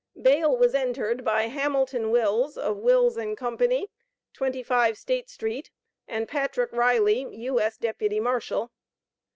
Bail was entered by Hamilton Willis, of Willis & Co., 25 State street, and Patrick Riley, U.S. Deputy Marshal.